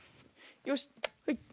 よしはい。